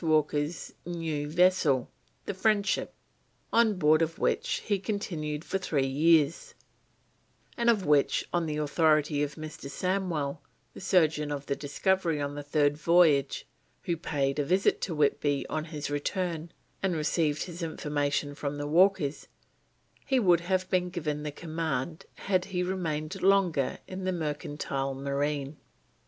Walker's new vessel, the Friendship, on board of which he continued for three years, and of which, on the authority of Mr. Samwell, the surgeon of the Discovery on the third voyage, who paid a visit to Whitby on his return and received his information from the Walkers, he would have been given the command had he remained longer in the mercantile marine.